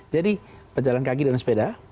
jadi pejalan kaki dan sepeda